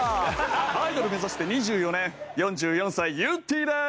アイドル目指して２４年４４歳ゆってぃです！